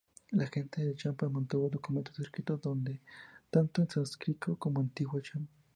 La gente de Champa mantuvo documentos escritos tanto en sánscrito como en antiguo cham.